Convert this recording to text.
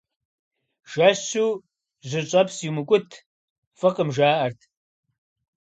Жэщу жьыщӀэпс иумыкӀут, фӀыкъым, жаӀэрт.